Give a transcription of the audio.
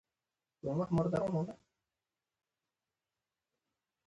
ښوونځی د رقابت ځای هم دی